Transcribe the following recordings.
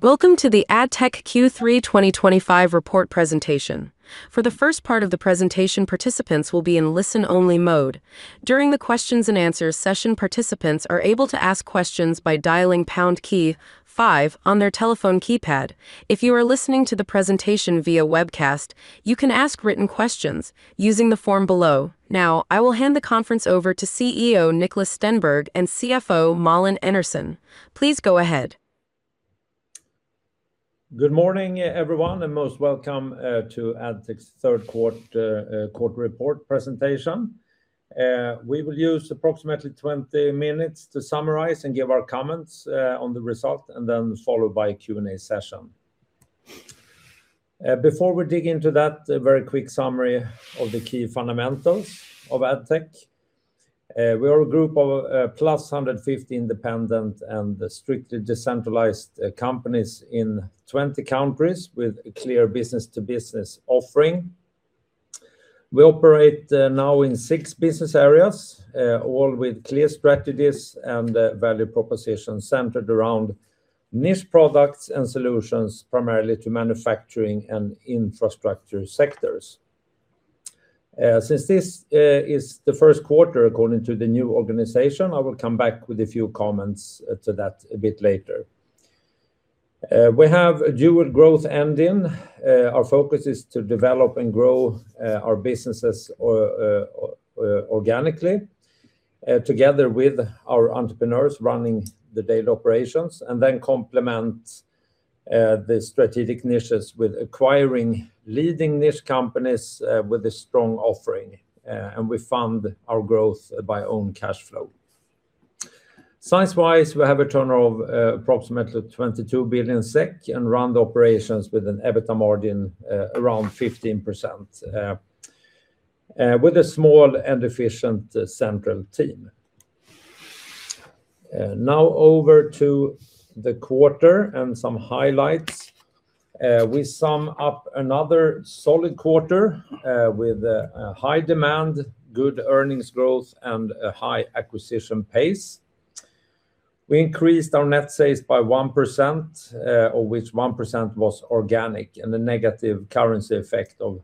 Welcome to the Addtech Q3 2025 report presentation. For the first part of the presentation, participants will be in listen-only mode. During the questions and answers session, participants are able to ask questions by dialing pound key five on their telephone keypad. If you are listening to the presentation via webcast, you can ask written questions using the form below. Now, I will hand the conference over to CEO Niklas Stenberg, and CFO Malin Enarson. Please go ahead. Good morning, everyone, and most welcome to Addtech's third quarter quarter report presentation. We will use approximately 20 minutes to summarize and give our comments on the result, and then followed by a Q&A session. Before we dig into that, a very quick summary of the key fundamentals of Addtech. We are a group of plus 150 independent and strictly decentralized companies in 20 countries, with a clear business-to-business offering. We operate now in 6 business areas, all with clear strategies and value propositions centered around niche products and solutions, primarily to manufacturing and infrastructure sectors. Since this is the first quarter according to the new organization, I will come back with a few comments to that a bit later. We have a dual growth engine. Our focus is to develop and grow our businesses organically together with our entrepreneurs running the daily operations, and then complement the strategic niches with acquiring leading niche companies with a strong offering. We fund our growth by own cash flow. Size-wise, we have a turnover of approximately 22 billion SEK, and run the operations with an EBITDA margin around 15% with a small and efficient central team. Now over to the quarter and some highlights. We sum up another solid quarter with a high demand, good earnings growth, and a high acquisition pace. We increased our net sales by 1%, of which 1% was organic, and a negative currency effect of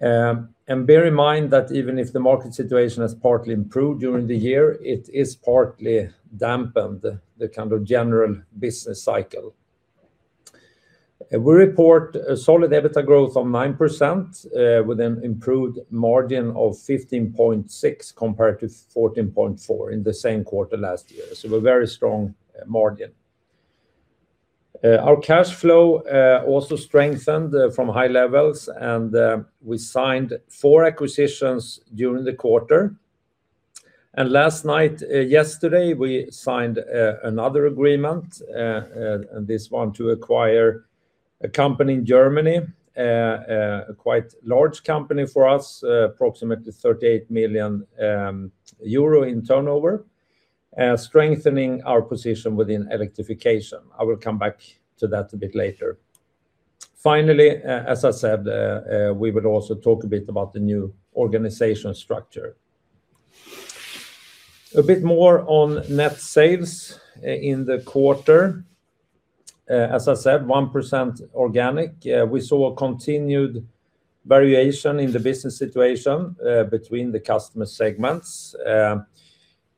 3%. Bear in mind that even if the market situation has partly improved during the year, it is partly dampened, the kind of general business cycle. We report a solid EBITDA growth of 9%, with an improved margin of 15.6, compared to 14.4 in the same quarter last year. So a very strong margin. Our cash flow also strengthened from high levels, and we signed 4 acquisitions during the quarter. Last night, yesterday, we signed another agreement, and this one to acquire a company in Germany. A quite large company for us, approximately 38 million euro in turnover, strengthening our position within Electrification. I will come back to that a bit later. Finally, as I said, we will also talk a bit about the new organizational structure. A bit more on net sales in the quarter. As I said, 1% organic. We saw a continued variation in the business situation between the customer segments.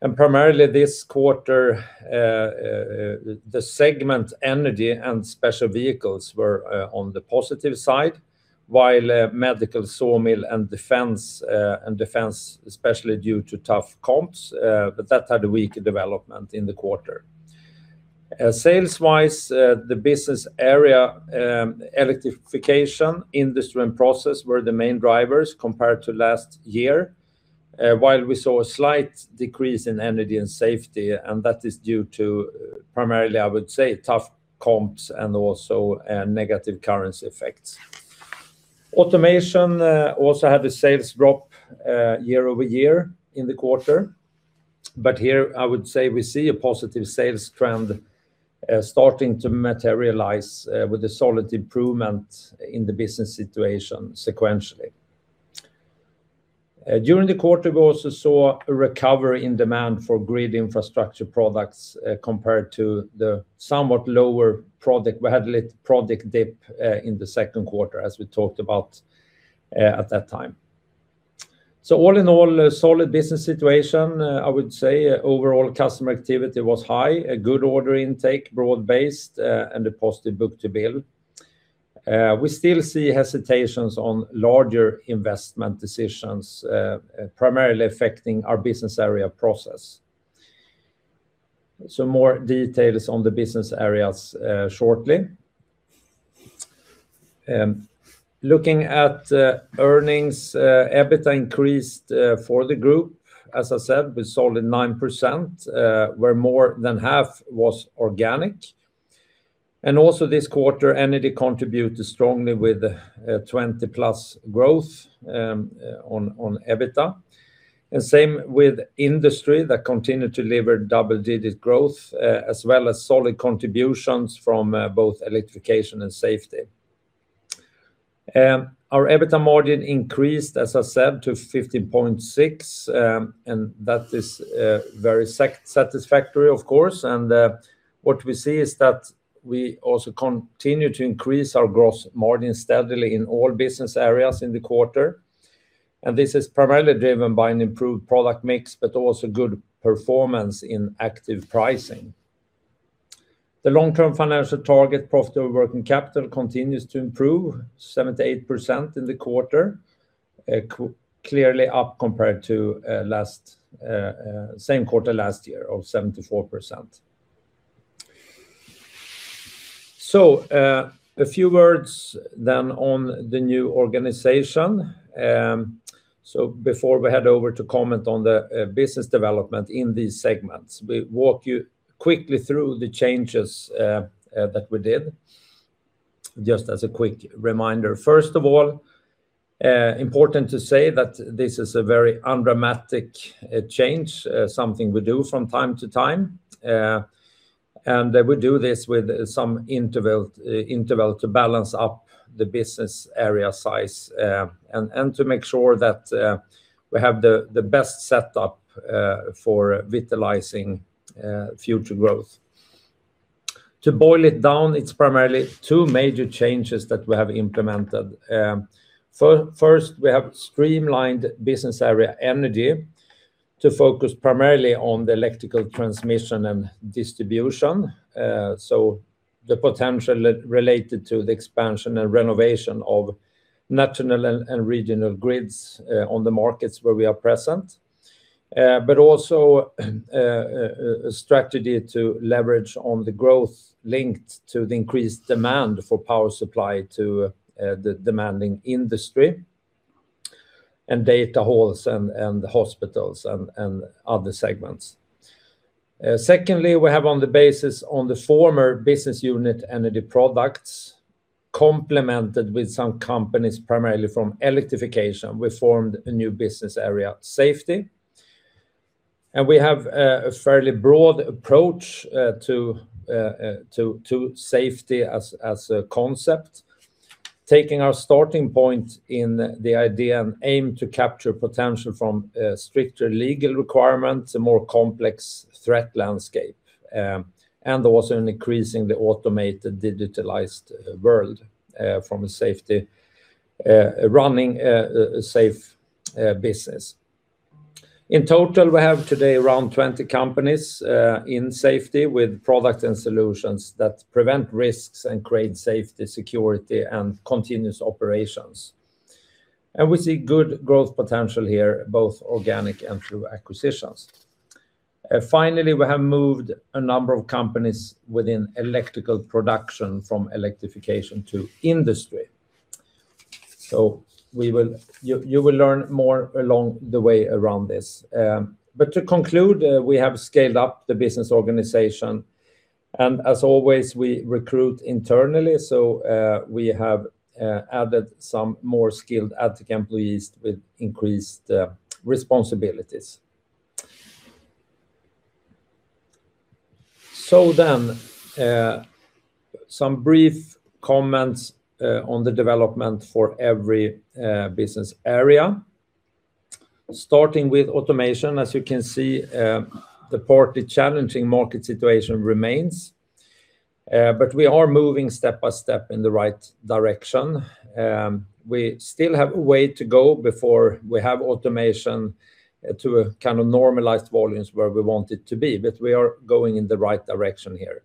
And primarily this quarter, the segment energy and special vehicles were on the positive side, while medical, sawmill, and defense, especially due to tough comps, but that had a weak development in the quarter. Sales-wise, the business area Electrification, Industry, and Process were the main drivers compared to last year, while we saw a slight decrease in energy and safety, and that is due to primarily, I would say, tough comps and also negative currency effects. Automation also had a sales drop year-over-year in the quarter, but here I would say we see a positive sales trend starting to materialize with a solid improvement in the business situation sequentially. During the quarter, we also saw a recovery in demand for grid infrastructure products compared to the somewhat lower project. We had a little project dip in the second quarter, as we talked about at that time. So all in all, a solid business situation. I would say overall customer activity was high, a good order intake, broad-based, and a positive book-to-bill. We still see hesitations on larger investment decisions primarily affecting our business area Process. So more details on the business areas shortly. Looking at earnings, EBITDA increased for the group. As I said, with solid 9%, where more than half was organic. And also this quarter, energy contributed strongly with a 20+ growth on EBITDA. And same with Industry, that continued to deliver double-digit growth, as well as solid contributions from both Electrification and safety. Our EBITDA margin increased, as I said, to 15.6, and that is very satisfactory, of course. And what we see is that we also continue to increase our gross margin steadily in all business areas in the quarter. And this is primarily driven by an improved product mix, but also good performance in active pricing. The long-term financial target, profit over working capital, continues to improve, 78% in the quarter. Clearly up compared to last same quarter last year of 74%. So, a few words then on the new organization. So before we head over to comment on the business development in these segments, we walk you quickly through the changes that we did, just as a quick reminder. First of all, important to say that this is a very undramatic change, something we do from time to time. And we do this with some interval to balance up the business area size, and to make sure that we have the best setup for vitalizing future growth. To boil it down, it's primarily two major changes that we have implemented. First, we have streamlined business area Energy to focus primarily on the electrical transmission and distribution. So the potential related to the expansion and renovation of national and regional grids on the markets where we are present. But also, a strategy to leverage on the growth linked to the increased demand for power supply to the demanding Industry, and data halls, and hospitals, and other segments. Secondly, we have on the basis of the former business unit, Energy Products, complemented with some companies primarily from Electrification, we formed a new business area, Safety. And we have a fairly broad approach to safety as a concept, taking our starting point in the idea and aim to capture potential from stricter legal requirements, a more complex threat landscape, and also an increasingly automated, digitalized world from a safety running safe business. In total, we have today around 20 companies in Safety with products and solutions that prevent risks and create safety, security, and continuous operations. And we see good growth potential here, both organic and through acquisitions. Finally, we have moved a number of companies within electrical production from Electrification to Industry. So we will. You will learn more along the way around this. But to conclude, we have scaled up the business organization, and as always, we recruit internally, so we have added some more skilled Addtech employees with increased responsibilities. So then, some brief comments on the development for every business area. Starting with Automation, as you can see, the partly challenging market situation remains, but we are moving step by step in the right direction. We still have a way to go before we have automation to a kind of normalized volumes where we want it to be, but we are going in the right direction here.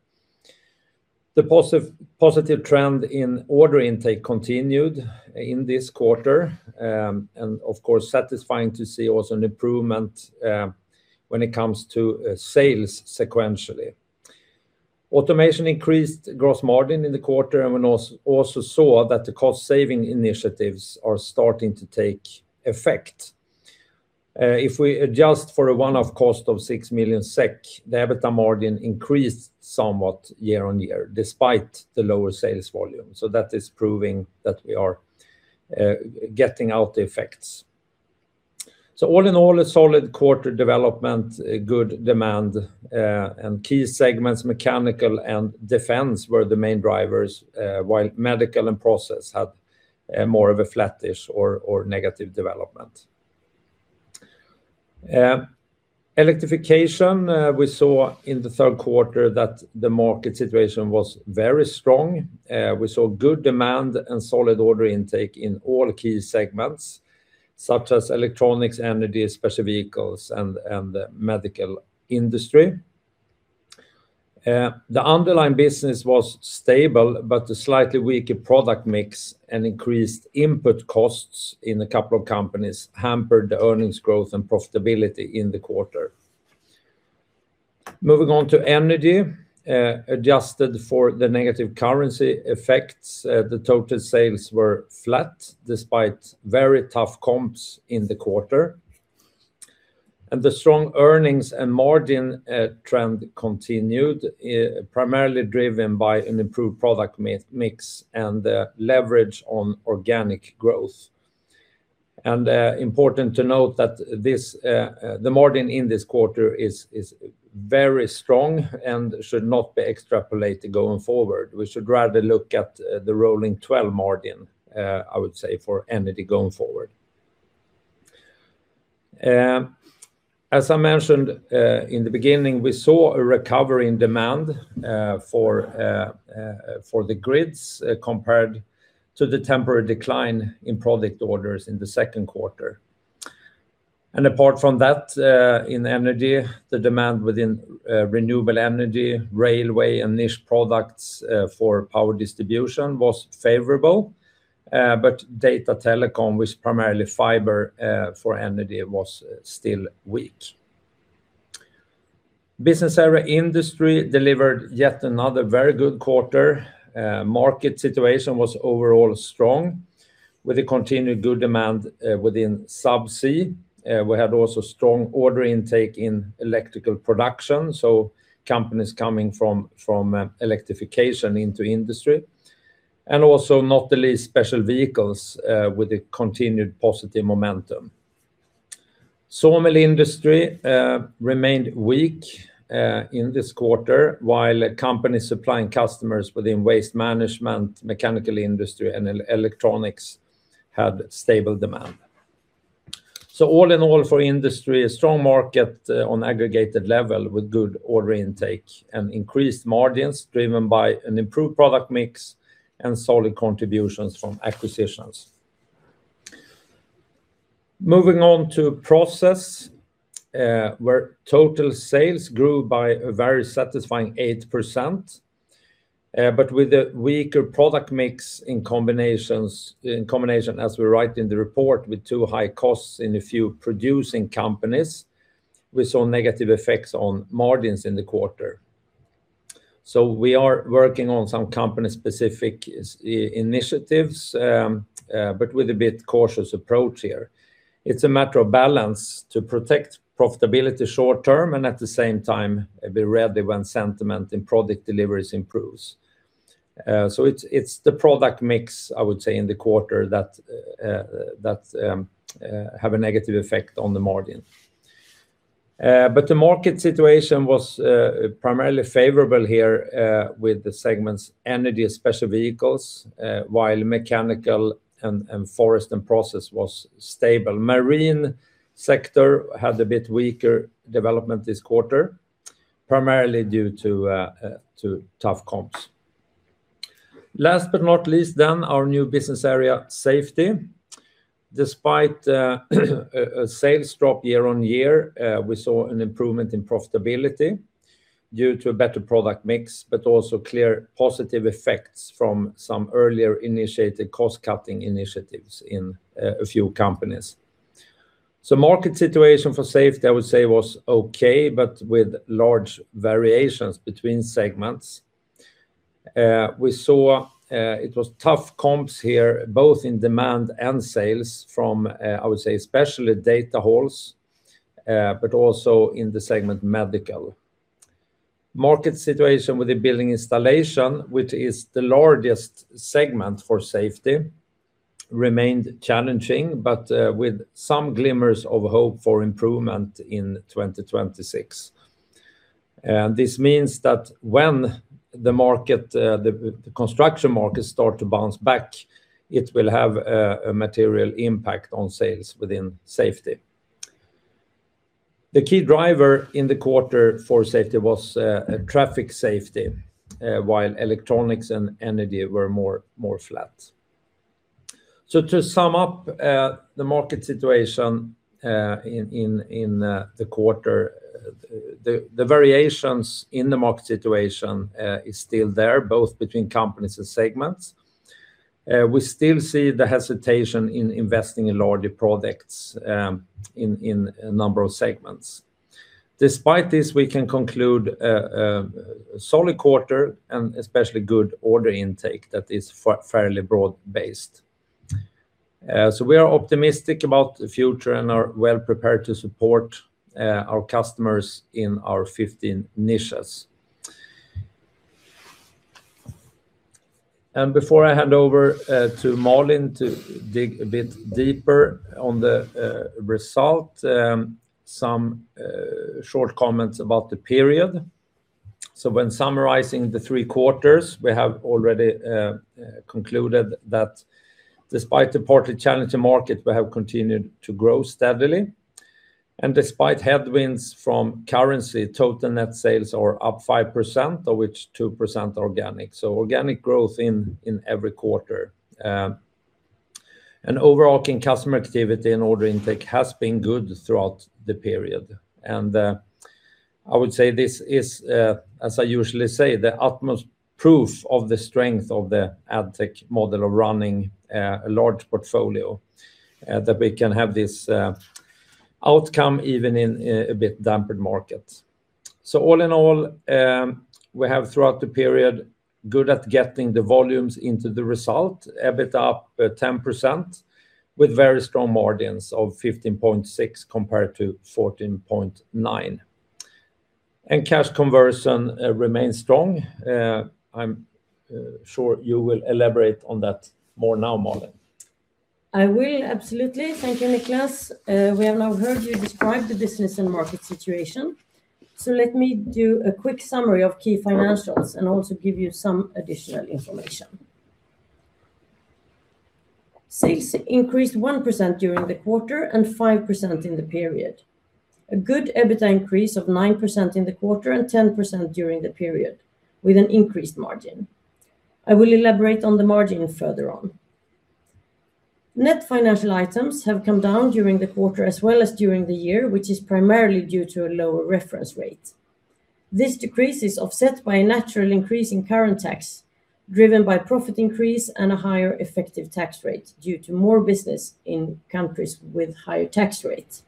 The positive trend in order intake continued in this quarter, and of course, satisfying to see also an improvement when it comes to sales sequentially. Automation increased gross margin in the quarter, and we also saw that the cost-saving initiatives are starting to take effect. If we adjust for a one-off cost of 6 million SEK, the EBITDA margin increased somewhat year-on-year, despite the lower sales volume. So that is proving that we are getting out the effects. So all in all, a solid quarter development, a good demand, and key segments, mechanical and defense, were the main drivers, while medical and Process had more of a flattish or negative development. Electrification, we saw in the third quarter that the market situation was very strong. We saw good demand and solid order intake in all key segments, such as electronics, energy, special vehicles, and medical Industry. The underlying business was stable, but a slightly weaker product mix and increased input costs in a couple of companies hampered the earnings growth and profitability in the quarter. Moving on to Energy, adjusted for the negative currency effects, the total sales were flat, despite very tough comps in the quarter. The strong earnings and margin trend continued, primarily driven by an improved product mix and the leverage on organic growth... And important to note that this, the margin in this quarter is very strong and should not be extrapolated going forward. We should rather look at the rolling 12 margin, I would say, for Energy going forward. As I mentioned in the beginning, we saw a recovery in demand for the grids compared to the temporary decline in product orders in the second quarter. And apart from that, in Energy, the demand within renewable energy, railway, and niche products for power distribution was favorable. But data telecom, which primarily fiber for Energy, was still weak. Business area Industry delivered yet another very good quarter. Market situation was overall strong, with a continued good demand within subsea. We had also strong order intake in electrical production, so companies coming from Electrification into Industry, and also not the least, special vehicles with a continued positive momentum. Sawmill Industry remained weak in this quarter, while companies supplying customers within waste management, mechanical Industry, and electronics had stable demand. So all in all, for Industry, a strong market on aggregated level, with good order intake and increased margins, driven by an improved product mix and solid contributions from acquisitions. Moving on to Process, where total sales grew by a very satisfying 8%. But with a weaker product mix in combination, as we write in the report, with two high costs in a few producing companies, we saw negative effects on margins in the quarter. So we are working on some company-specific initiatives, but with a bit cautious approach here. It's a matter of balance to protect profitability short term, and at the same time, be ready when sentiment in product deliveries improves. So it's the product mix, I would say, in the quarter that have a negative effect on the margin. But the market situation was primarily favorable here with the segments Energy, Special Vehicles, while Mechanical and Forest and Process was stable. Marine sector had a bit weaker development this quarter, primarily due to tough comps. Last but not least, then, our new business area, Safety. Despite a sales drop year-on-year, we saw an improvement in profitability due to a better product mix, but also clear positive effects from some earlier initiated cost-cutting initiatives in a few companies. So market situation for Safety, I would say, was okay, but with large variations between segments. We saw it was tough comps here, both in demand and sales from, I would say, especially data halls, but also in the segment Medical. Market situation with the Building Installation, which is the largest segment for Safety, remained challenging, but with some glimmers of hope for improvement in 2026. And this means that when the market, the construction markets start to bounce back, it will have a material impact on sales within Safety. The key driver in the quarter for Safety was traffic safety, while electronics and energy were more, more flat. So to sum up, the market situation in the quarter, the variations in the market situation is still there, both between companies and segments. We still see the hesitation in investing in larger products in a number of segments. Despite this, we can conclude a solid quarter, and especially good order intake that is fairly broad based. So we are optimistic about the future and are well prepared to support our customers in our 15 niches. And before I hand over to Malin to dig a bit deeper on the result, some short comments about the period. So when summarizing the three quarters, we have already concluded that despite the partly challenging market, we have continued to grow steadily. Despite headwinds from currency, total net sales are up 5%, of which 2% are organic, so organic growth in every quarter. Overall, customer activity and order intake has been good throughout the period. I would say this is, as I usually say, the utmost proof of the strength of the Addtech model of running a large portfolio that we can have this outcome even in a bit dampened markets. So all in all, we have throughout the period good at getting the volumes into the result, EBITDA up 10%, with very strong margins of 15.6 compared to 14.9. And cash conversion remains strong. I'm sure you will elaborate on that more now, Malin. I will, absolutely. Thank you, Niklas. We have now heard you describe the business and market situation, so let me do a quick summary of key financials, and also give you some additional information. Sales increased 1% during the quarter, and 5% in the period. A good EBITDA increase of 9% in the quarter, and 10% during the period, with an increased margin. I will elaborate on the margin further on. Net financial items have come down during the quarter as well as during the year, which is primarily due to a lower reference rate. This decrease is offset by a natural increase in current tax, driven by profit increase and a higher effective tax rate due to more business in countries with higher tax rates.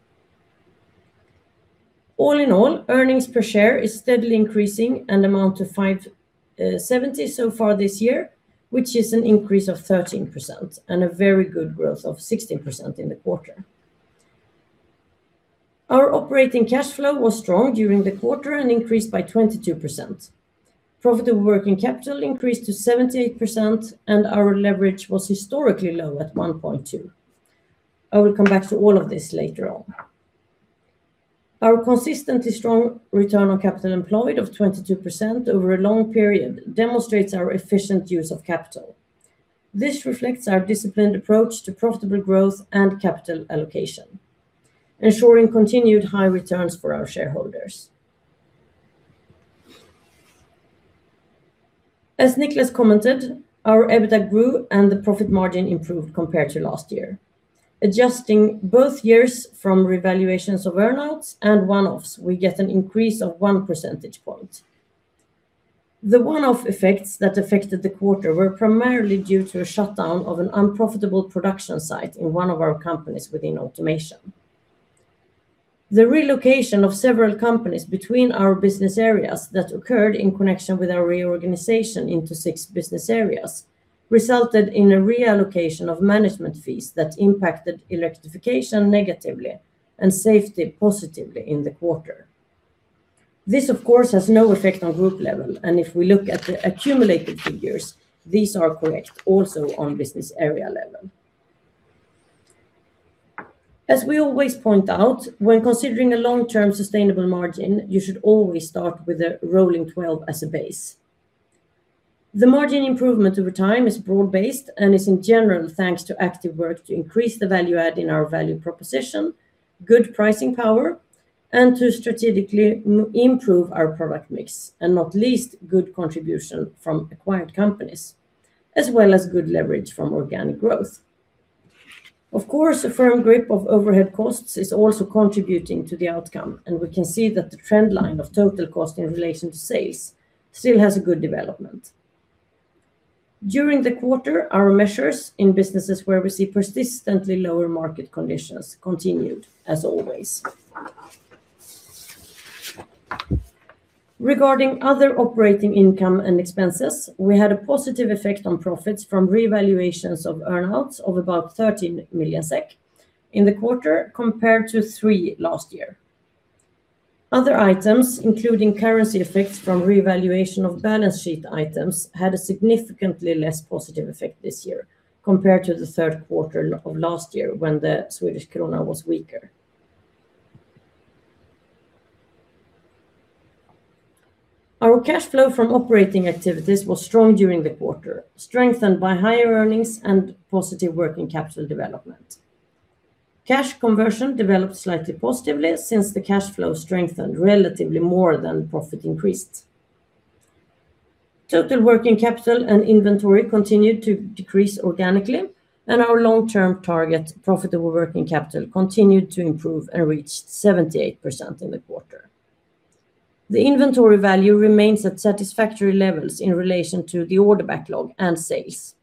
All in all, earnings per share is steadily increasing, and amount to 5.70 so far this year, which is an increase of 13%, and a very good growth of 16% in the quarter. Our operating cash flow was strong during the quarter, and increased by 22%. Profit over working capital increased to 78%, and our leverage was historically low at 1.2. I will come back to all of this later on. Our consistently strong return on capital employed of 22% over a long period demonstrates our efficient use of capital. This reflects our disciplined approach to profitable growth and capital allocation, ensuring continued high returns for our shareholders. As Niklas commented, our EBITDA grew, and the profit margin improved compared to last year. Adjusting both years from revaluations of earn-outs and one-offs, we get an increase of one percentage point. The one-off effects that affected the quarter were primarily due to a shutdown of an unprofitable production site in one of our companies within Automation. The relocation of several companies between our business areas that occurred in connection with our reorganization into six business areas, resulted in a reallocation of management fees that impacted Electrification negatively, and Safety positively in the quarter. This, of course, has no effect on group level, and if we look at the accumulated figures, these are correct also on business area level. As we always point out, when considering a long-term sustainable margin, you should always start with a Rolling 12 as a base. The margin improvement over time is broad-based, and is in general, thanks to active work to increase the value add in our value proposition, good pricing power, and to strategically improve our product mix, and not least, good contribution from acquired companies, as well as good leverage from organic growth. Of course, a firm grip of overhead costs is also contributing to the outcome, and we can see that the trend line of total cost in relation to sales still has a good development. During the quarter, our measures in businesses where we see persistently lower market conditions continued, as always. Regarding other operating income and expenses, we had a positive effect on profits from revaluations of earn-outs of about 13 million SEK in the quarter, compared to 3 million last year. Other items, including currency effects from revaluation of balance sheet items, had a significantly less positive effect this year compared to the third quarter of last year, when the Swedish krona was weaker. Our cash flow from operating activities was strong during the quarter, strengthened by higher earnings and positive working capital development. Cash conversion developed slightly positively, since the cash flow strengthened relatively more than profit increased. Total working capital and inventory continued to decrease organically, and our long-term target, profitable working capital, continued to improve and reached 78% in the quarter. The inventory value remains at satisfactory levels in relation to the order backlog and sales,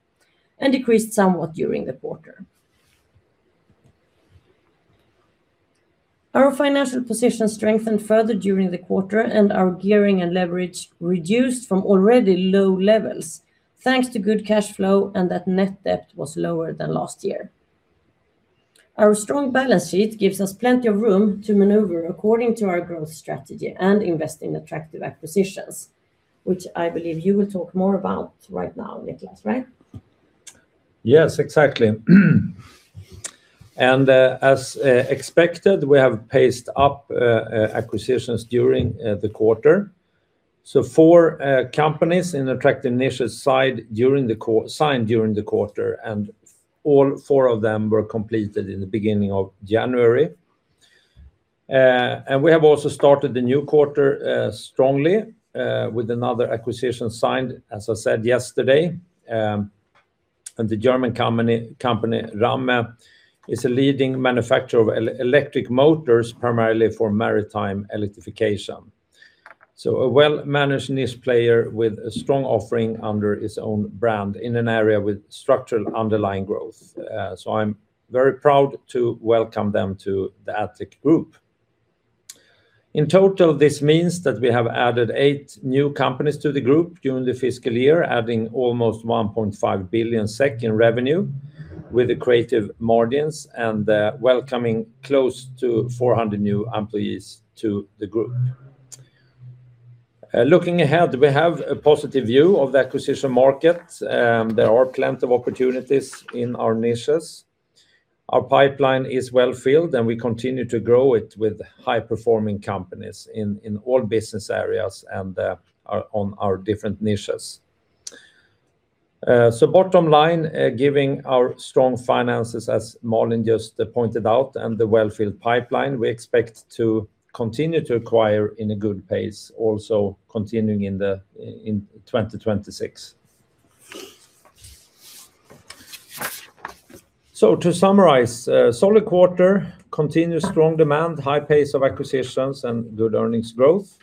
and decreased somewhat during the quarter. Our financial position strengthened further during the quarter, and our gearing and leverage reduced from already low levels, thanks to good cash flow, and that net debt was lower than last year. Our strong balance sheet gives us plenty of room to maneuver according to our growth strategy, and invest in attractive acquisitions, which I believe you will talk more about right now, Niklas, right? Yes, exactly. As expected, we have paced up acquisitions during the quarter. So four companies in attractive niches signed during the quarter, and all four of them were completed in the beginning of January. We have also started the new quarter strongly, with another acquisition signed, as I said yesterday, and the German company Ramme is a leading manufacturer of electric motors, primarily for maritime Electrification. So a well-managed niche player with a strong offering under its own brand, in an area with structural underlying growth. So I'm very proud to welcome them to the Addtech group. In total, this means that we have added eight new companies to the group during the fiscal year, adding almost 1.5 billion SEK in revenue, with accretive margins, and welcoming close to 400 new employees to the group. Looking ahead, we have a positive view of the acquisition market. There are plenty of opportunities in our niches. Our pipeline is well-filled, and we continue to grow it with high-performing companies in all business areas, and on our different niches. So bottom line, giving our strong finances, as Malin just pointed out, and the well-filled pipeline, we expect to continue to acquire in a good pace, also continuing in 2026. So to summarize, a solid quarter, continuous strong demand, high pace of acquisitions, and good earnings growth.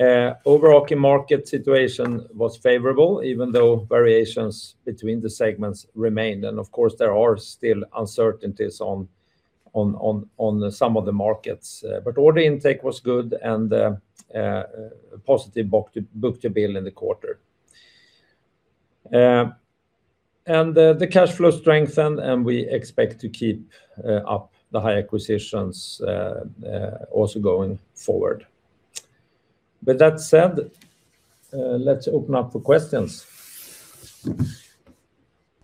Overall key market situation was favorable, even though variations between the segments remained, and of course, there are still uncertainties on some of the markets. But order intake was good, and positive book-to-bill in the quarter. And the cash flow strengthened, and we expect to keep up the high acquisitions also going forward. With that said, let's open up for questions.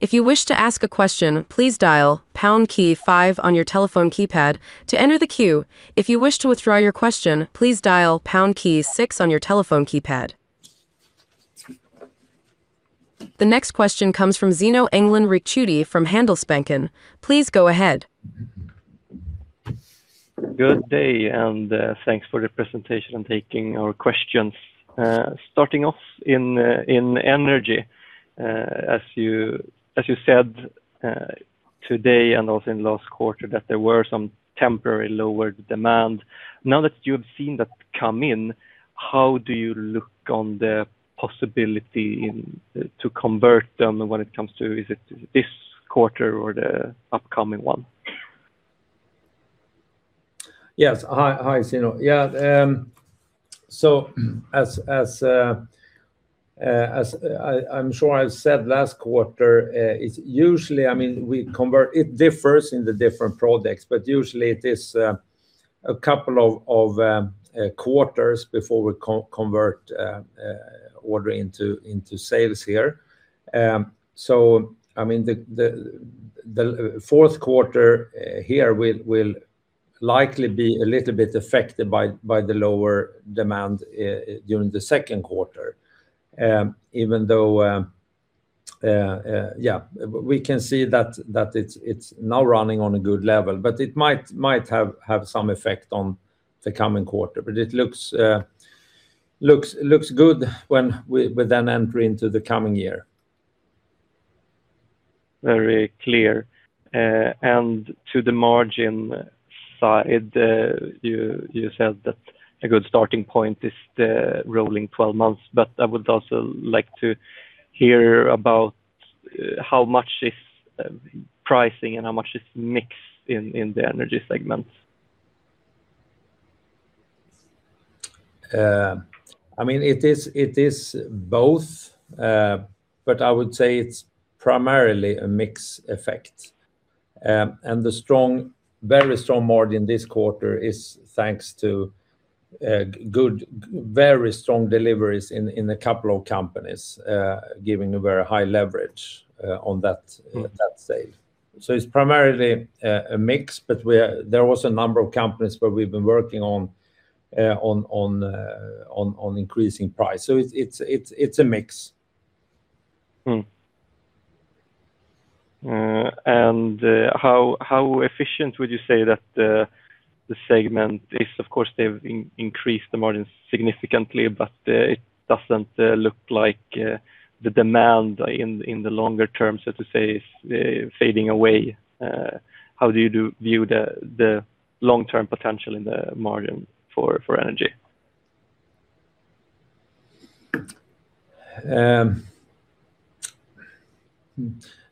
If you wish to ask a question, please dial pound key five on your telephone keypad to enter the queue. If you wish to withdraw your question, please dial pound key six on your telephone keypad. The next question comes from Zino Engdalen Ricciuti from Handelsbanken. Please go ahead. Good day, and thanks for the presentation and taking our questions. Starting off in energy, as you said today and also in last quarter, that there were some temporary lowered demand. Now that you've seen that come in, how do you look on the possibility in to convert them when it comes to, is it this quarter or the upcoming one? Yes. Hi, hi, Zino. Yeah, so as I said last quarter, it's usually, I mean, we convert... It differs in the different projects, but usually it is a couple of quarters before we convert order into sales here. So I mean, the fourth quarter here will likely be a little bit affected by the lower demand during the second quarter. Even though yeah, we can see that it's now running on a good level, but it might have some effect on the coming quarter. But it looks good when we then enter into the coming year. Very clear. And to the margin side, you, you said that a good starting point is the rolling twelve months, but I would also like to hear about how much is pricing and how much is mix in, in the energy segment? I mean, it is both, but I would say it's primarily a mix effect. And the strong, very strong margin this quarter is thanks to good, very strong deliveries in a couple of companies, giving a very high leverage on that sale. So it's primarily a mix, but there was a number of companies where we've been working on increasing price. So it's a mix. How efficient would you say that the segment is? Of course, they've increased the margins significantly, but it doesn't look like the demand in the longer term, so to say, is fading away. How do you view the long-term potential in the margin for energy?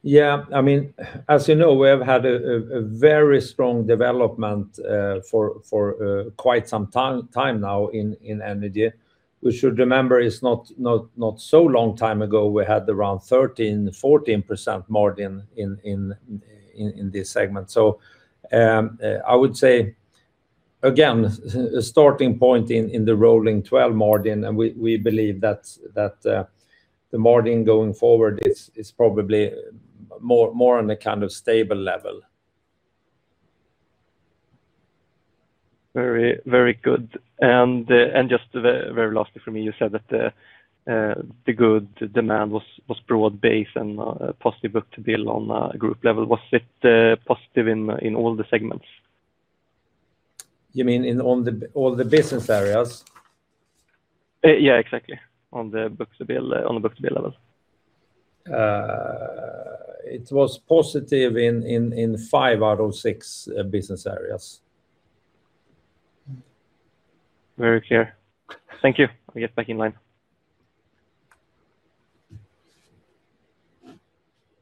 Yeah, I mean, as you know, we have had a very strong development for quite some time now in energy. We should remember, it's not so long time ago, we had around 13-14% margin in this segment. So, I would say, again, the starting point in the rolling 12 margin, and we believe that the margin going forward is probably more on a kind of stable level. Very, very good. And just very lastly for me, you said that the good demand was broad-based and positive book-to-bill on a group level. Was it positive in all the segments? You mean in all the business areas? Yeah, exactly. On the book-to-bill, on a book-to-bill level. It was positive in five out of six business areas. Very clear. Thank you. I'll get back in line.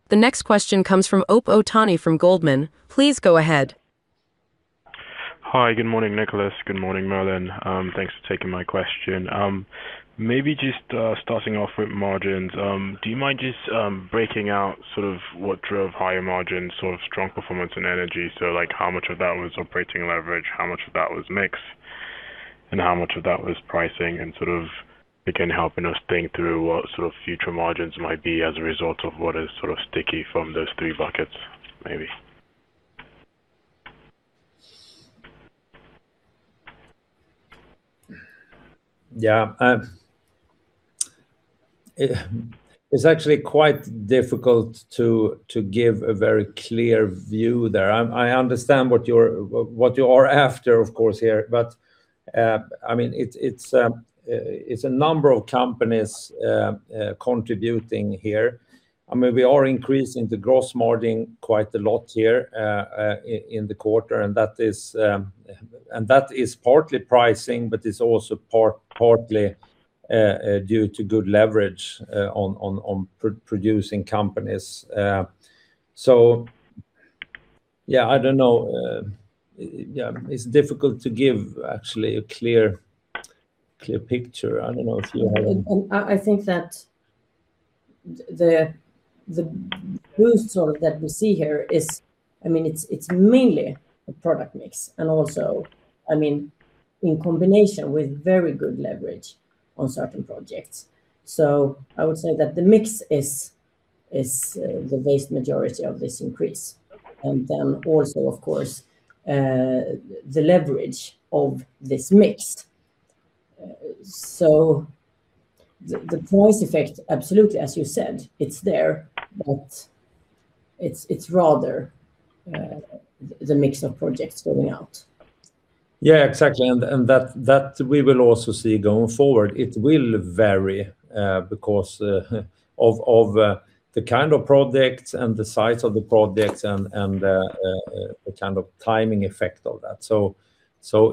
The next question comes from Opeyemi Otaniyi from Goldman Sachs. Please go ahead. Hi, good morning, Niklas. Good morning, Malin. Thanks for taking my question. Maybe just starting off with margins, do you mind just breaking out sort of what drove higher margins, sort of strong performance and energy? So, like, how much of that was operating leverage, how much of that was mix?... and how much of that was pricing? And sort of begin helping us think through what sort of future margins might be as a result of what is sort of sticky from those three buckets, maybe. Yeah, it's actually quite difficult to give a very clear view there. I understand what you are after, of course, here, but, I mean, it's a number of companies contributing here. I mean, we are increasing the gross margin quite a lot here in the quarter, and that is partly pricing, but it's also partly due to good leverage on producing companies. So, yeah, I don't know. Yeah, it's difficult to give actually a clear picture. I don't know if you have- And I think that the boost sort of that we see here is, I mean, it's mainly a product mix, and also I mean, in combination with very good leverage on certain projects. So I would say that the mix is the vast majority of this increase, and then also of course, the leverage of this mix. So the price effect, absolutely, as you said, it's there, but it's rather the mix of projects going out. Yeah, exactly. And that we will also see going forward. It will vary, because of the kind of projects and the size of the projects and the kind of timing effect of that. So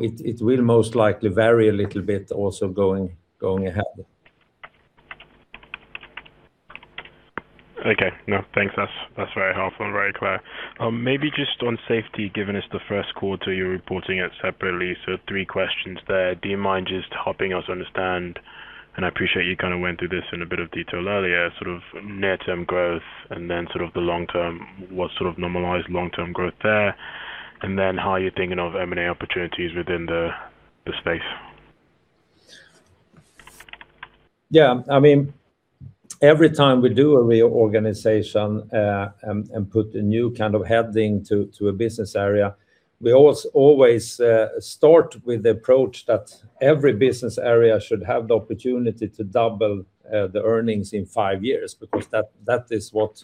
it will most likely vary a little bit also going ahead. Okay. No, thanks. That's, that's very helpful and very clear. Maybe just on safety, given it's the first quarter, you're reporting it separately, so three questions there. Do you mind just helping us understand, and I appreciate you kind of went through this in a bit of detail earlier, sort of near-term growth, and then sort of the long term, what sort of normalized long-term growth there? And then how you're thinking of M&A opportunities within the space. Yeah. I mean, every time we do a reorganization, and put a new kind of heading to a business area, we always start with the approach that every business area should have the opportunity to double the earnings in five years, because that is what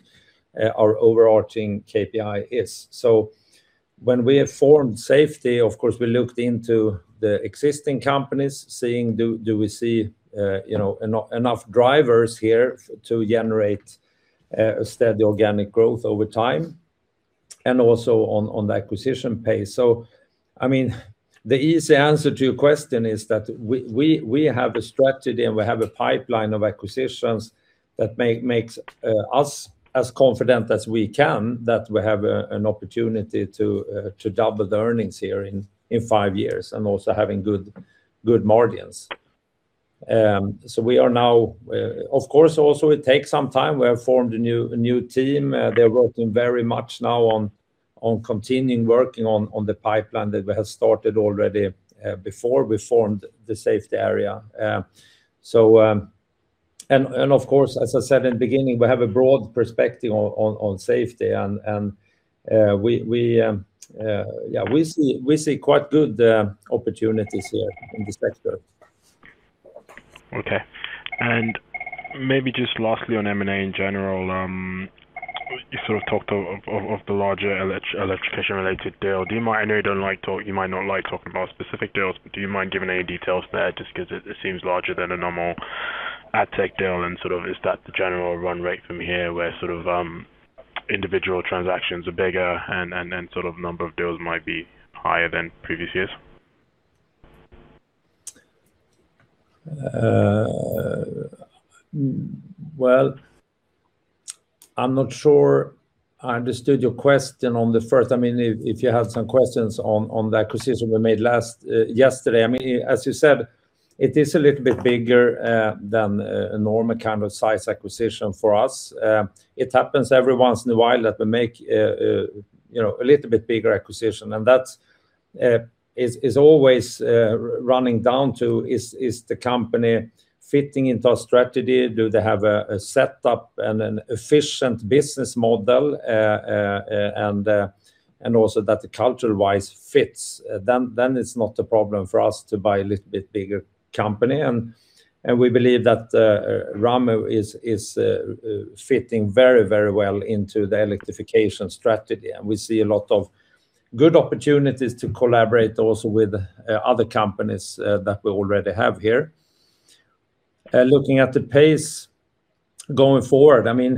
our overarching KPI is. So when we formed Safety, of course, we looked into the existing companies, seeing, do we see you know enough drivers here to generate a steady organic growth over time, and also on the acquisition pace? So, I mean, the easy answer to your question is that we have a strategy, and we have a pipeline of acquisitions that makes us as confident as we can, that we have an opportunity to double the earnings here in five years, and also having good margins. So we are now. Of course, also it takes some time. We have formed a new team. They're working very much now on continuing working on the pipeline that we have started already before we formed the safety area. So, of course, as I said in the beginning, we have a broad perspective on safety, and we see quite good opportunities here in this sector. Okay. And maybe just lastly on M&A in general, you sort of talked of the larger Electrification-related deal. Do you mind? I know you don't like talk, you might not like talking about specific deals. Do you mind giving any details there? Just 'cause it seems larger than a normal Addtech deal, and sort of is that the general run rate from here, where sort of individual transactions are bigger and number of deals might be higher than previous years? Well, I'm not sure I understood your question on the first... I mean, if you have some questions on the acquisition we made last yesterday, I mean, as you said, it is a little bit bigger than a normal kind of size acquisition for us. It happens every once in a while that we make you know a little bit bigger acquisition, and that's is always running down to is the company fitting into our strategy? Do they have a setup and an efficient business model, and and also that the cultural wise fits? Then then it's not a problem for us to buy a little bit bigger company, and and we believe that Ramme is fitting very very well into the Electrification strategy. And we see a lot of good opportunities to collaborate also with other companies that we already have here. Looking at the pace going forward, I mean,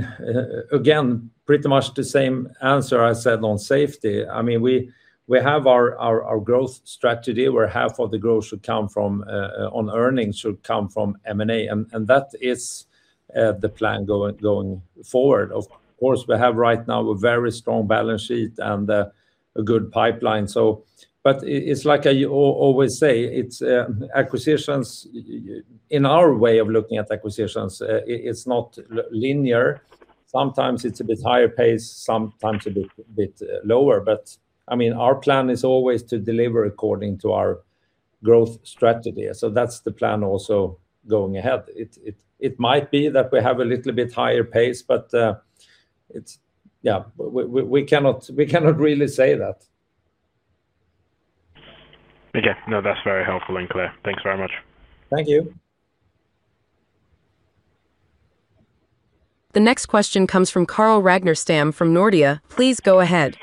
again, pretty much the same answer I said on safety. I mean, we have our growth strategy, where half of the growth should come from on earnings should come from M&A, and that is the plan going forward. Of course, we have right now a very strong balance sheet and a good pipeline. So, but it's like I always say, it's acquisitions. In our way of looking at acquisitions, it's not linear. Sometimes it's a bit higher pace, sometimes a bit lower. But, I mean, our plan is always to deliver according to our growth strategy. So that's the plan also going ahead. It might be that we have a little bit higher pace, but it's yeah, we cannot really say that. Okay. No, that's very helpful and clear. Thanks very much. Thank you. The next question comes from Carl Ragnerstam from Nordea. Please go ahead.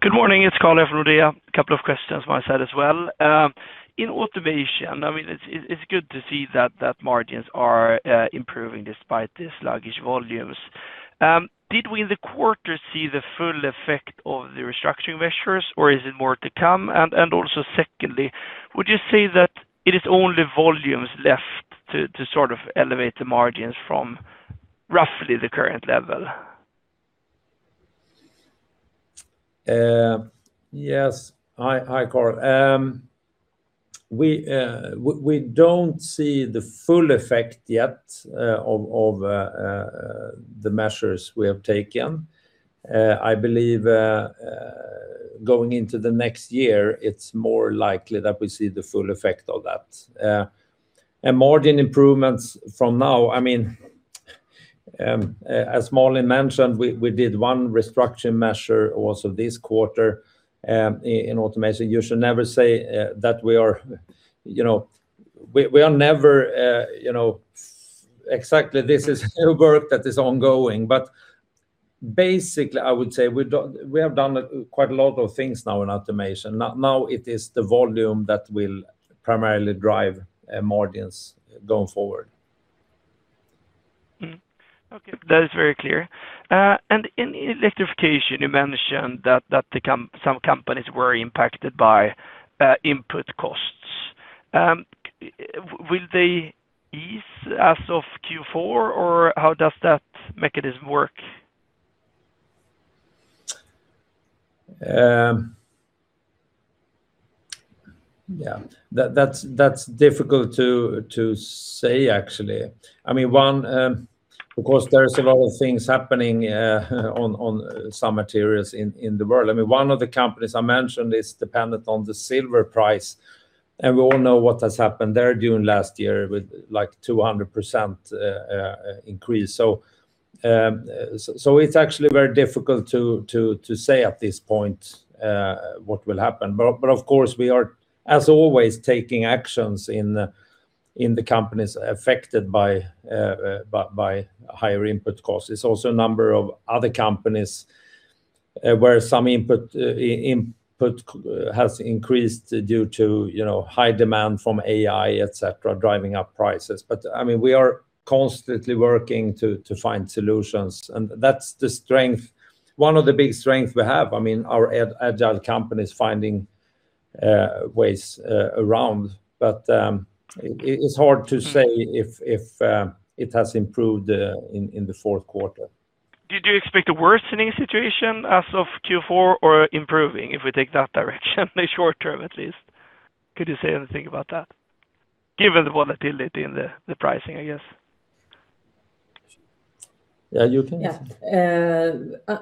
Good morning, it's Carl from Nordea. A couple of questions my side as well. In automation, I mean, it's good to see that margins are improving despite the sluggish volumes. Did we in the quarter see the full effect of the restructuring measures, or is it more to come? And also, secondly, would you say that it is only volumes left to sort of elevate the margins from roughly the current level? Yes. Hi, Karl. We don't see the full effect yet of the measures we have taken. I believe going into the next year, it's more likely that we see the full effect of that. And margin improvements from now, I mean, as Malin mentioned, we did one restructuring measure also this quarter in automation. You should never say that we are, you know, we are never, you know... Exactly, this is work that is ongoing. But basically, I would say we have done quite a lot of things now in automation. Now it is the volume that will primarily drive margins going forward. Mm-hmm. Okay, that is very clear. And in Electrification, you mentioned that some companies were impacted by input costs. Will they ease as of Q4, or how does that mechanism work? Yeah, that's difficult to say, actually. I mean, one, because there are several things happening on some materials in the world. I mean, one of the companies I mentioned is dependent on the silver price, and we all know what has happened there during last year with, like, 200% increase. So, it's actually very difficult to say at this point what will happen. But of course we are, as always, taking actions in the companies affected by higher input costs. There's also a number of other companies where some input costs have increased due to, you know, high demand from AI, et cetera, driving up prices. But, I mean, we are constantly working to find solutions, and that's the strength, one of the big strengths we have. I mean, our agile companies finding ways around. But, it's hard to say if it has improved in the fourth quarter. Did you expect a worsening situation as of Q4 or improving, if we take that direction, the short term, at least? Could you say anything about that, given the volatility in the pricing, I guess? Yeah, you can- Yeah.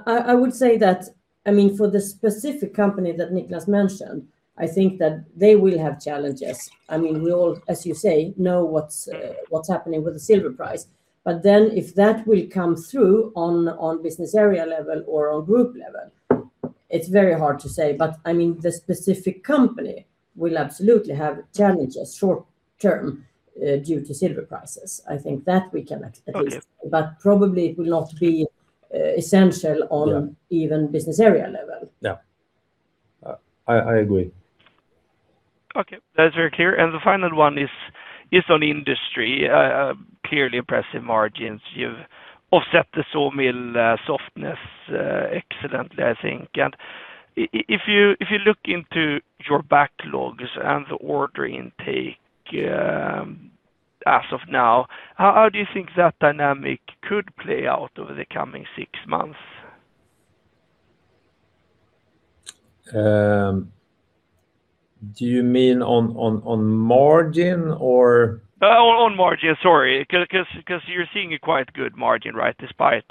I would say that, I mean, for the specific company that Niklas mentioned, I think that they will have challenges. I mean, we all, as you say, know what's happening with the silver price. But then if that will come through on business area level or on group level, it's very hard to say. But, I mean, the specific company will absolutely have challenges short term due to silver prices. I think that we can at least- Okay... but probably it will not be essential- Yeah... on even business area level. Yeah. I agree. Okay, that's very clear. And the final one is on Industry. Clearly impressive margins. You've offset the sawmill softness excellently, I think. And if you look into your backlogs and the order intake, as of now, how do you think that dynamic could play out over the coming six months? Do you mean on margin or? On margin, sorry. 'Cause you're seeing a quite good margin, right? Despite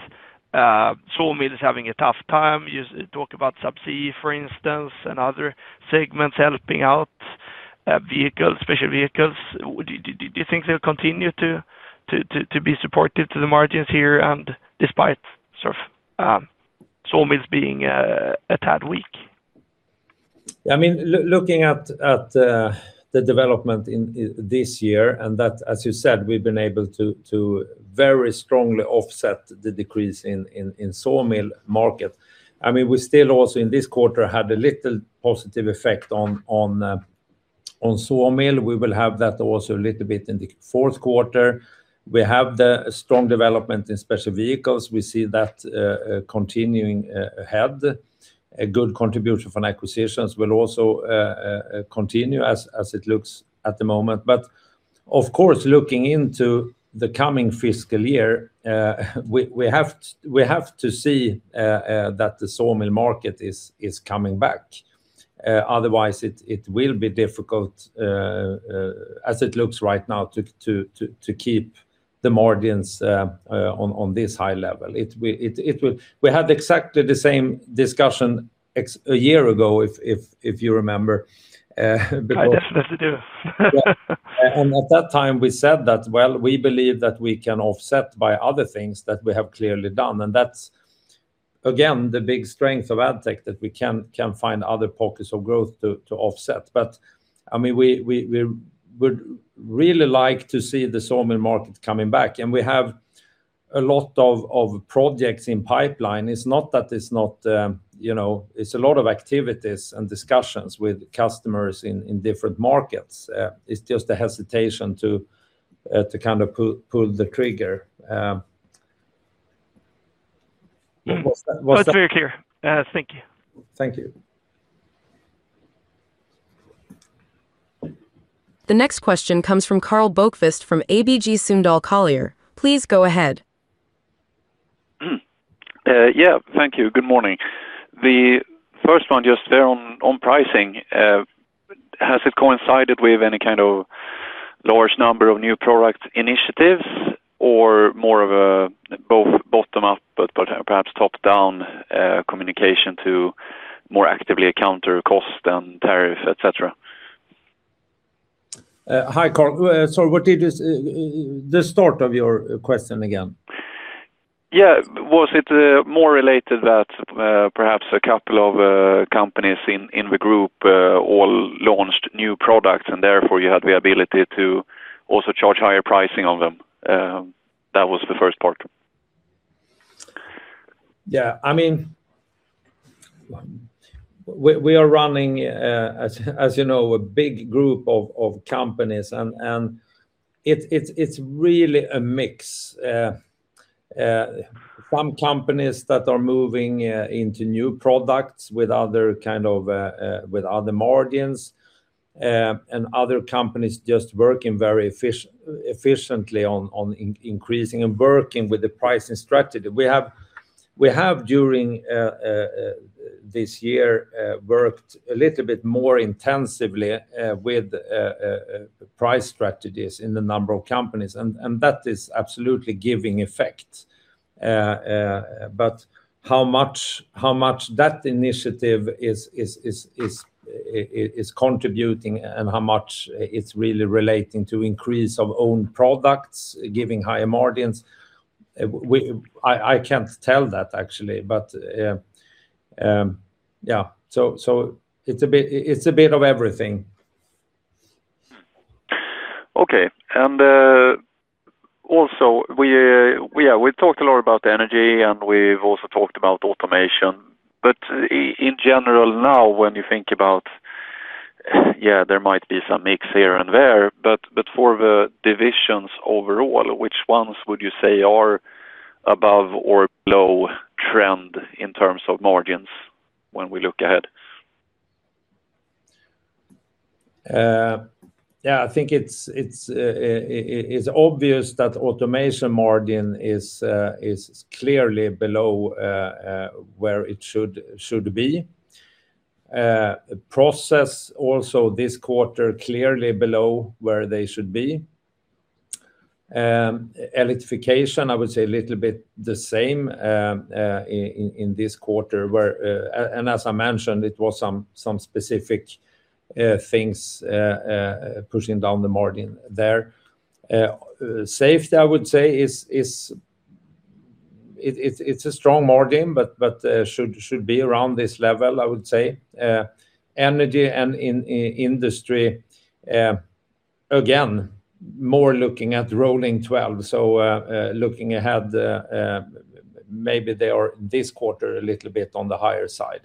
sawmills having a tough time. You talk about subsea, for instance, and other segments helping out, vehicles, special vehicles. Do you think they'll continue to be supportive to the margins here and despite sort of sawmills being a tad weak? I mean, looking at the development in this year, and that, as you said, we've been able to very strongly offset the decrease in the sawmill market. I mean, we still also, in this quarter, had a little positive effect on sawmill. We will have that also a little bit in the fourth quarter. We have the strong development in special vehicles. We see that continuing ahead. A good contribution from acquisitions will also continue, as it looks at the moment. But of course, looking into the coming fiscal year, we have to see that the sawmill market is coming back. Otherwise, it will be difficult, as it looks right now, to keep... the margins on this high level. We had exactly the same discussion a year ago, if you remember, because- I definitely do. Yeah, and at that time we said that, well, we believe that we can offset by other things that we have clearly done. And that's, again, the big strength of Addtech, that we can find other pockets of growth to offset. But, I mean, we would really like to see the sawmill market coming back, and we have a lot of projects in pipeline. It's not that it's not, you know... It's a lot of activities and discussions with customers in different markets. It's just a hesitation to kind of pull the trigger. Was that- That's very clear. Thank you. Thank you. The next question comes from Karl Bokvist from ABG Sundal Collier. Please go ahead. Yeah, thank you. Good morning. The first one, just there on pricing, has it coincided with any kind of large number of new product initiatives, or more of a both bottom-up, but perhaps top-down communication to more actively counter cost and tariff, et cetera? Hi, Carl. Sorry, what did you... The start of your question again? Yeah. Was it more related that perhaps a couple of companies in the group all launched new products, and therefore you had the ability to also charge higher pricing on them? That was the first part. Yeah. I mean, we, we are running, as, as you know, a big group of, of companies, and, and it's really a mix. Some companies that are moving into new products with other kind of, with other margins, and other companies just working very efficiently on increasing and working with the pricing strategy. We have, we have, during this year, worked a little bit more intensively with price strategies in the number of companies, and that is absolutely giving effect. But how much, how much that initiative is contributing and how much it's really relating to increase of own products, giving higher margins, we... I, I can't tell that actually, but, yeah. So, it's a bit of everything. Okay. And also, we've talked a lot about energy, and we've also talked about automation, but in general now, when you think about, there might be some mix here and there, but for the divisions overall, which ones would you say are above or below trend in terms of margins when we look ahead? Yeah, I think it's obvious that Automation margin is clearly below where it should be. Process also this quarter, clearly below where they should be. Electrification, I would say a little bit the same, in this quarter, where and as I mentioned, it was some specific things pushing down the margin there. Safety, I would say it's a strong margin, but should be around this level, I would say. Energy and Industry, again, more looking at rolling 12. So, looking ahead, maybe they are this quarter, a little bit on the higher side.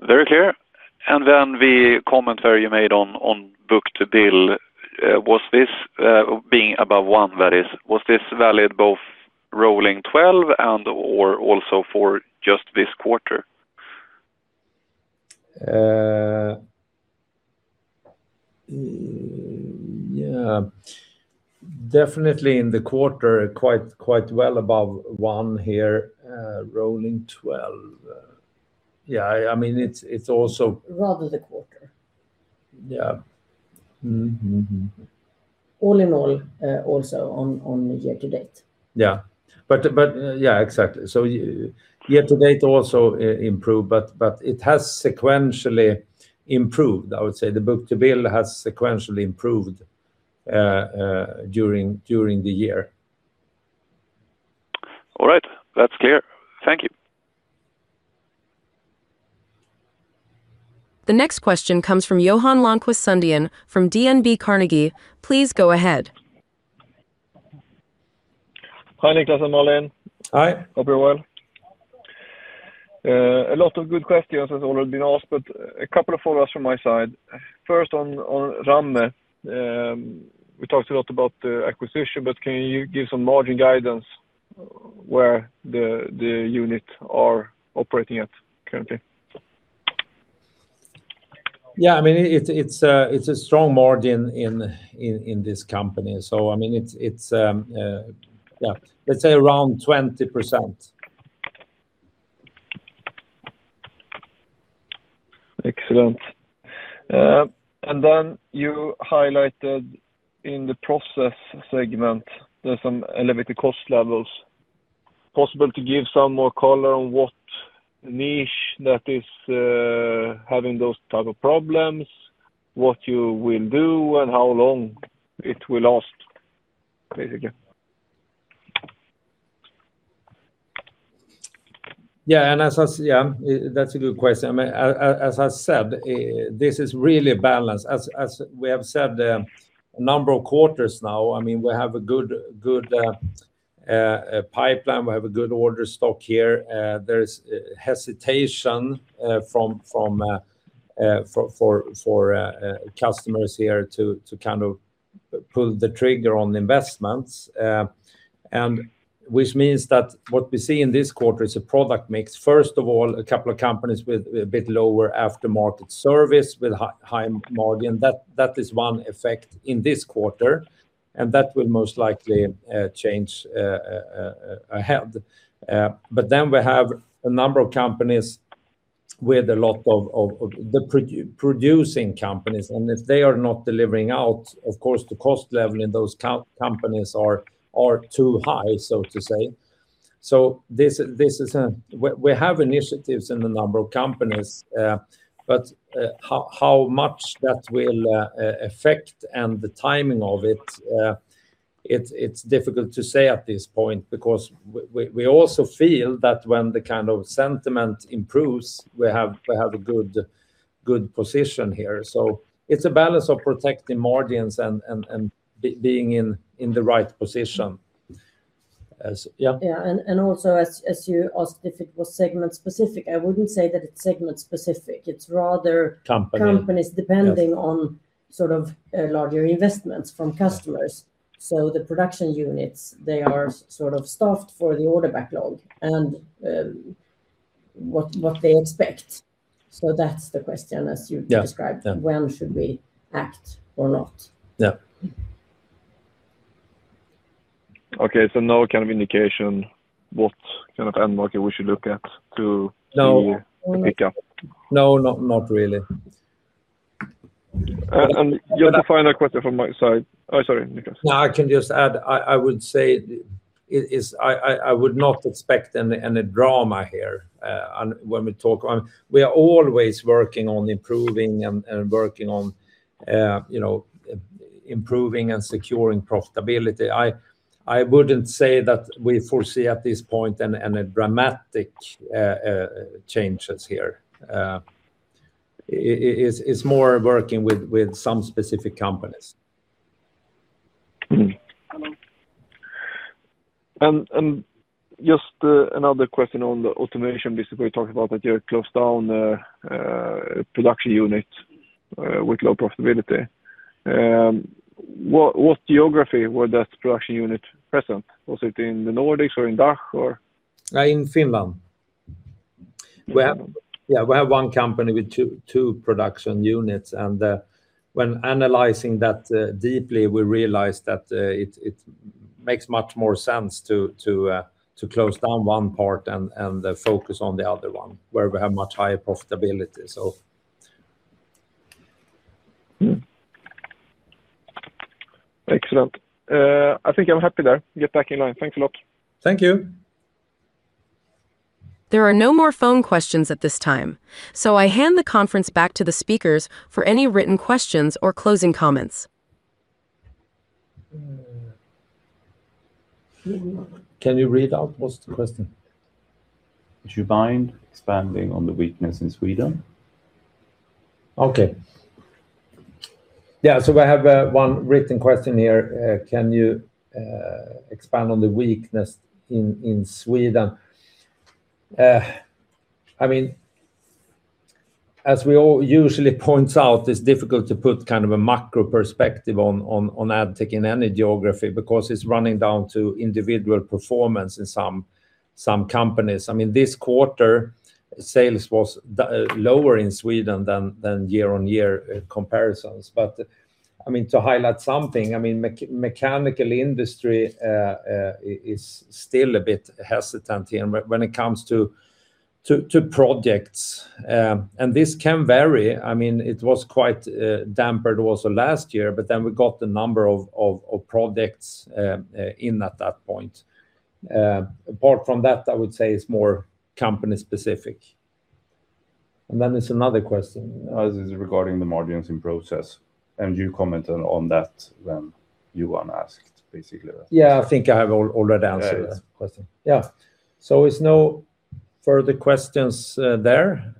Very clear. And then the commentary you made on, on book-to-bill, was this being above one, that is, was this valid both rolling twelve and, or also for just this quarter? Yeah. Definitely in the quarter, quite well above one here, Rolling 12. Yeah, I mean, it's also- Rather the quarter. Yeah. Mm, mm, mm. All in all, also on year to date. Yeah. But yeah, exactly. So year to date also improved, but it has sequentially improved. I would say the book-to-bill has sequentially improved during the year. All right. That's clear. Thank you. The next question comes from Johan Lönnqvist Sundén from DNB Carnegie. Please go ahead. Hi, Niklas and Malin. Hi. Hope you're well. A lot of good questions has already been asked, but a couple of follow-ups from my side. First, on Ramme. We talked a lot about the acquisition, but can you give some margin guidance where the unit are operating at currently? Yeah, I mean, it's a strong margin in this company. So I mean, yeah, let's say around 20%. ... Excellent. And then you highlighted in the Process segment, there's some elevated cost levels. Possible to give some more color on what niche that is, having those type of problems, what you will do, and how long it will last, basically? Yeah, that's a good question. I mean, as I said, this is really balanced. As we have said, a number of quarters now, I mean, we have a good, good pipeline. We have a good order stock here. There is hesitation from customers here to kind of pull the trigger on investments. And which means that what we see in this quarter is a product mix. First of all, a couple of companies with a bit lower aftermarket service, with high margin. That is one effect in this quarter, and that will most likely change ahead. But then we have a number of companies with a lot of... The producing companies, and if they are not delivering out, of course, the cost level in those companies are too high, so to say. So this is. We have initiatives in a number of companies, but how much that will affect, and the timing of it, it's difficult to say at this point, because we also feel that when the kind of sentiment improves, we have a good position here. So it's a balance of protecting margins and being in the right position. Yeah. Yeah, and also as you asked if it was segment specific, I wouldn't say that it's segment specific. It's rather- Company... companies depending- Yes... on sort of larger investments from customers. So the production units, they are sort of staffed for the order backlog and what they expect. So that's the question, as you- Yeah... described. When should we act or not? Yeah. Okay, so no kind of indication what kind of end market we should look at to- No... see a pickup? No, not, not really. Just a final question from my side. Oh, sorry, Niklas. No, I can just add. I would say it is. I would not expect any drama here on when we talk on. We are always working on improving and working on, you know, improving and securing profitability. I wouldn't say that we foresee at this point any dramatic changes here. It's more working with some specific companies. Just another question on the automation business. We talked about that you had closed down production units with low profitability. What geography were that production unit present? Was it in the Nordics or in DACH, or? In Finland. We have one company with two production units, and when analyzing that deeply, we realized that it makes much more sense to close down one part and focus on the other one, where we have much higher profitability, so. Mm-hmm. Excellent. I think I'm happy there. Get back in line. Thanks a lot. Thank you. There are no more phone questions at this time, so I hand the conference back to the speakers for any written questions or closing comments. Can you read out? What's the question? Do you mind expanding on the weakness in Sweden? Okay. Yeah, so I have one written question here. Can you expand on the weakness in Sweden? I mean, as we all usually point out, it's difficult to put kind of a macro perspective on Addtech in any geography, because it's running down to individual performance in some companies. I mean, this quarter, sales was lower in Sweden than year-on-year comparisons. But, I mean, to highlight something, I mean, mechanical Industry is still a bit hesitant here when it comes to projects. And this can vary. I mean, it was quite dampened also last year, but then we got the number of projects in at that point. Apart from that, I would say it's more company specific. And then there's another question. This is regarding the margins in Process, and you commented on that when Johan asked, basically. Yeah, I think I have already answered- Yeah... this question. Yeah. So it's no further questions, there.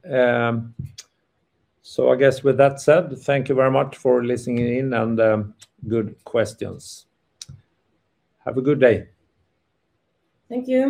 So I guess with that said, thank you very much for listening in and, good questions. Have a good day. Thank you.